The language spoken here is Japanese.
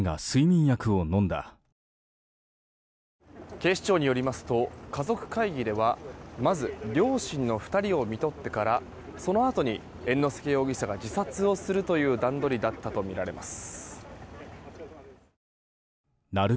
警視庁によりますと家族会議ではまず両親の２人をみとってからそのあとに、猿之助容疑者が自殺をするという段取りだったとみられます。